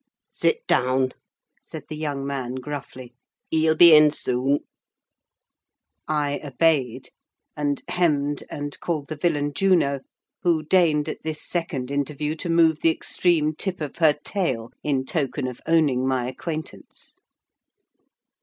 "Sit down," said the young man, gruffly. "He'll be in soon." I obeyed; and hemmed, and called the villain Juno, who deigned, at this second interview, to move the extreme tip of her tail, in token of owning my acquaintance.